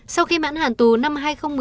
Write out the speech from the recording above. sau khi mãn hàn tù năm hai nghìn một mươi chín